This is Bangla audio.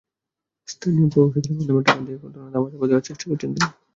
স্থানীয় প্রভাবশালীদের মাধ্যমে টাকা দিয়ে ঘটনা ধামাচাপা দেওয়ার চেষ্টা করছেন তিনি।